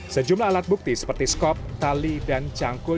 sejumlah alat bukti seperti skop tali dan cangkul